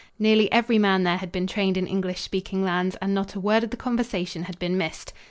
Nearly every man there had been trained in English speaking lands and not a word of the conversation had been missed.